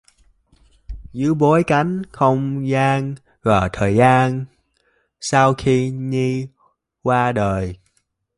Với bối cảnh không gian và thời gian sau khi Nhi qua đời